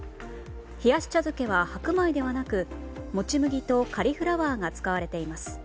冷やし茶漬けは、白米ではなくもち麦とカリフラワーが使われています。